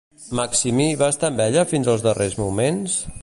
Maximí va estar amb ella fins als darrers moments?